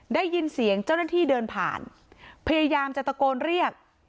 ได้ยินเสียงเจ้าหน้าที่เดินผ่านพยายามจะตะโกนเรียก